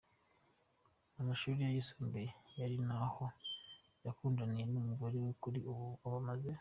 amashuri ye yisumbuye ari naho yakundaniye n'umugore we kuri ubu bamaze